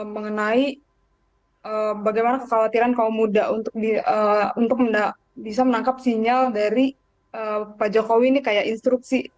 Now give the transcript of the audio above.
mengenai bagaimana kekhawatiran kaum muda untuk bisa menangkap sinyal dari pak jokowi ini kayak instruksi